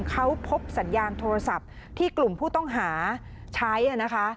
เขาพบสัญญาณโทรศัพท์ที่กลุ่มผู้ต้องหาใช้นะคะ